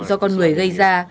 do con người gây ra